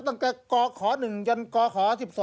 ตั้งแต่กข๑จนกข๑๒๑๓